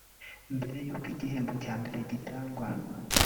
Mbere y’uko igihembo cya mbere gitangwa